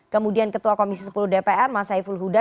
kemudian ketua komisi sepuluh dpr mas saiful huda